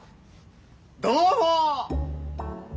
どうも！